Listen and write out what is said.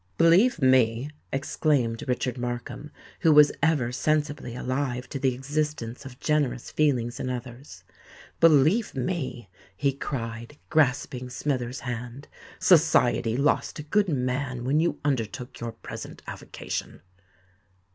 "Believe me," exclaimed Richard Markham, who was ever sensibly alive to the existence of generous feelings in others,—"believe me," he cried, grasping Smithers' hand, "society lost a good man when you undertook your present avocation."